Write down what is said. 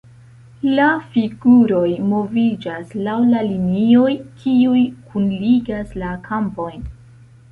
La figuroj moviĝas laŭ la linioj, kiuj kunligas la kampojn.